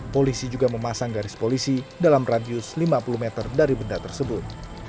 polisi juga memasang garis polisi dalam radius lima puluh meter dari benda tersebut